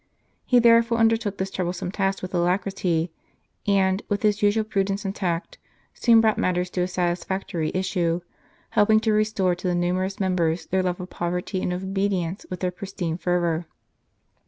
He therefore undertook this troublesome task with alacrity, and, with his usual prudence and tact, soon brought matters to a satisfactory issue, helping to restore to the numerous members their love of poverty and of obedience with their pristine fervour.